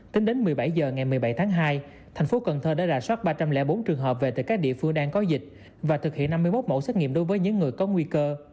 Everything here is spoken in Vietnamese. tính đến một mươi bảy h ngày một mươi bảy tháng hai thành phố cần thơ đã rà soát ba trăm linh bốn trường hợp về từ các địa phương đang có dịch và thực hiện năm mươi một mẫu xét nghiệm đối với những người có nguy cơ